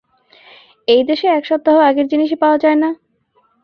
এই দেশে এক সপ্তাহ আগের জিনিসই পাওয়া যায় না।